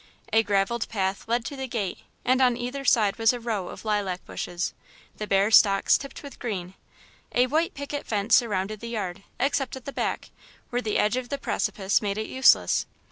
A gravelled path led to the gate and on either side was a row of lilac bushes, the bare stalks tipped with green. A white picket fence surrounded the yard, except at the back, where the edge of the precipice made it useless.